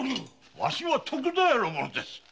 私は徳田屋の者です。